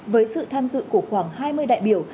với sự tham dự của khoảng hai mươi đại biểu